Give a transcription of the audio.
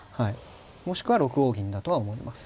もしくは６五銀だとは思います。